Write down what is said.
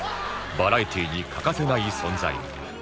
バラエティーに欠かせない存在に